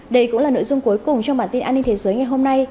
đây cũng là nội dung cuối cùng trong bản tin an ninh thế giới ngày hôm nay